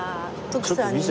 徳さんが。